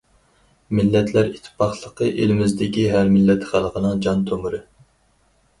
مىللەتلەر ئىتتىپاقلىقى ئېلىمىزدىكى ھەر مىللەت خەلقىنىڭ جان تومۇرى.